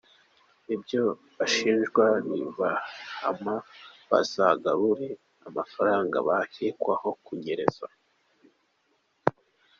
Ibyo bashinjwa nibabahama bazagarure amafaranga bakekwaho kunyereza.